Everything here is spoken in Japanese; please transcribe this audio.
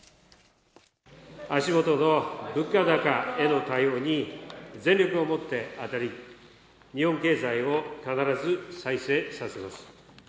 足元の物価高への対応に全力をもって当たり、日本経済を必ず再生させます。